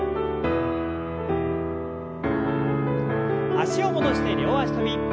脚を戻して両脚跳び。